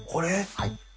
はい。